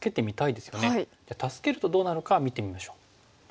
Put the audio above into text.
じゃあ助けるとどうなのか見てみましょう。